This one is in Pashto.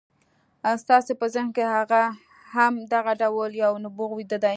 ستاسې په ذهن کې هم دغه ډول یو نبوغ ویده دی